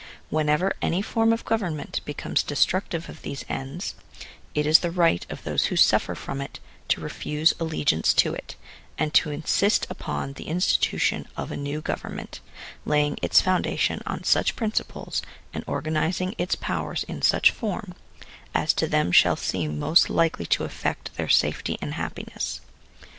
Whenever any form of government becomes destructive of these ends, it is the right of those who suffer from it to refuse allegiance to it, and to insist upon the institution of a new government, laying its foundation on such princi ples, and organizing its powers in such form, as to them shall seem most likely to effect their safety and happiness.